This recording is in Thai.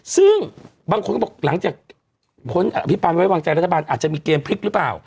ซึ่งบางคนก็บอกหลังจากพ้นอภิปันไว้วางใจรัฐบาลอาจจะมีเกมพลิกหรือเปล่า